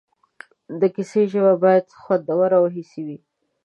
د کیسې ژبه باید خوندوره او حسي وي.